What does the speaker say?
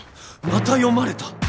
また読まれた！